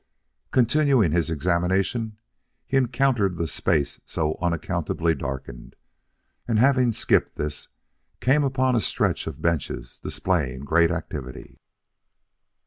Continuing his examination, he next encountered the space so unaccountably darkened, and having skipped this, came upon a stretch of benches displaying great activity.